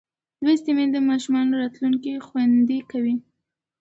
لوستې میندې د ماشوم راتلونکی خوندي کوي.